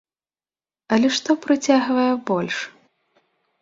Але што прыцягвае больш?